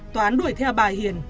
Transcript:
toán đuổi theo bà hiền